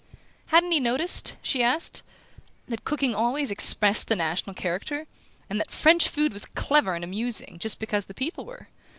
Hadn't he noticed, she asked, that cooking always expressed the national character, and that French food was clever and amusing just because the people were?